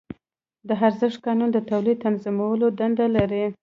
د ارزښت قانون د تولید تنظیمولو دنده لري